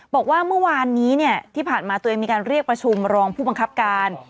บอกว่าเมื่อวานนี้ที่ผ่านมาตัวเองมีการเรียกประชุมรองผู้บังคับการ